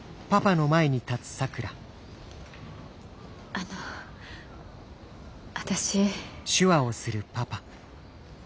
あの私。